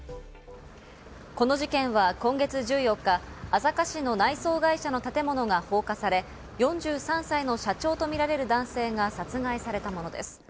この事件は今月１４日、朝霞市の内装会社放火され、４３歳の社長とみられる男性が殺害されたものです。